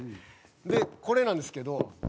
でこれなんですけど。